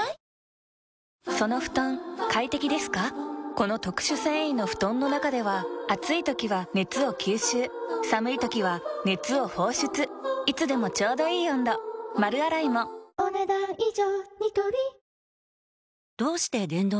この特殊繊維の布団の中では暑い時は熱を吸収寒い時は熱を放出いつでもちょうどいい温度丸洗いもお、ねだん以上。